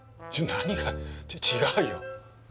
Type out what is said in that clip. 何が違うよ！